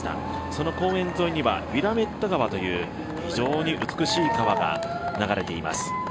その公園沿いには、ウィラメット川という非常に美しい川が流れています。